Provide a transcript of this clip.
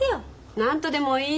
何とでもお言い。